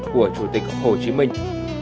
của chủ tịch hồ chí minh